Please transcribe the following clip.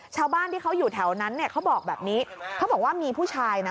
ชาวบ้านที่เขาอยู่แถวนั้นเนี่ยเขาบอกแบบนี้เขาบอกว่ามีผู้ชายนะ